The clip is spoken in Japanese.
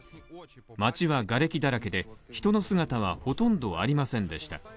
町はがれきだらけで人の姿はほとんどありませんでした。